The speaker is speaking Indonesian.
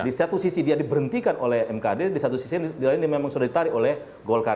di satu sisi dia diberhentikan oleh mkd di satu sisi dia memang sudah ditarik oleh golkar